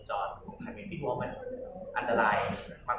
ช่วยมีพี่ตัวมันอันตรายมาก